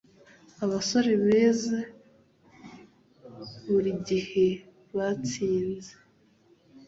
abasore beza burigihe batsinze.